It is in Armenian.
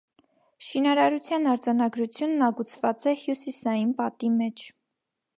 Շինարարության արձանագրությունն ագուցված է հյուսիսային պատի մեջ։